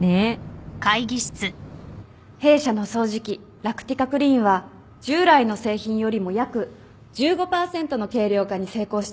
弊社の掃除機ラクティカクリーンは従来の製品よりも約１５％の軽量化に成功しております。